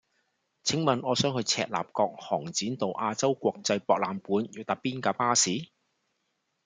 請問我想去赤鱲角航展道亞洲國際博覽館要搭邊架巴士